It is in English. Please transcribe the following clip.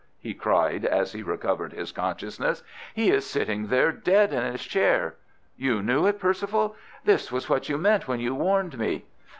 he cried, as he recovered his consciousness. "He is sitting there dead in his chair. You knew it, Perceval! This was what you meant when you warned me."